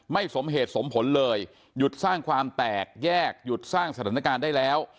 สมเหตุสมผลเลยหยุดสร้างความแตกแยกหยุดสร้างสถานการณ์ได้แล้ว